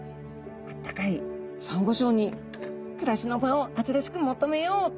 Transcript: あったかいサンゴ礁に暮らしの場を新しく求めようと。